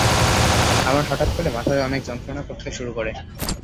আমার হঠাৎ করে মাথা অনেক যন্ত্রণা করতে শুরু করে।